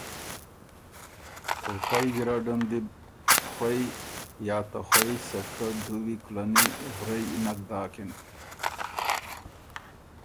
او پئ ګیرډن دی بو خوئ یا ته خوئ سَکَۀ دُوی کلنی ورئ نک داکِن۔